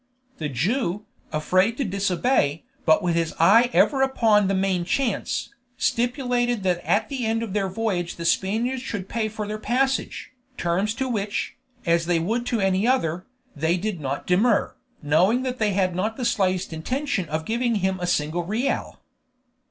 The Jew, afraid to disobey, but with his eye ever upon the main chance, stipulated that at the end of their voyage the Spaniards should pay for their passage terms to which, as they would to any other, they did not demur, knowing that they had not the slightest intention of giving him a single real.